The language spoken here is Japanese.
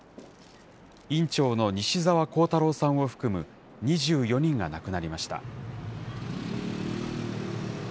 院長の西澤弘太郎さんを含む２４人が亡くなりました。